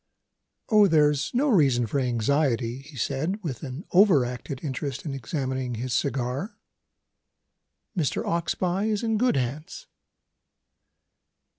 "Oh, there's no reason for anxiety!" he said, with an over acted interest in examining his cigar. "Mr. Oxbye is in good hands."